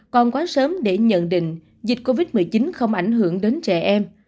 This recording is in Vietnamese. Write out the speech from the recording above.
còn quá sớm để nhận định dịch covid một mươi chín không ảnh hưởng đến trẻ em